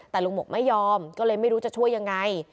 แต่ลุงหมกไม่ยอมก็เลยไม่รู้จะช่วยยังไง